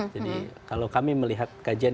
jadi kalau kami melihat kajian